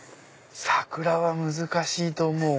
桜は難しいと思う！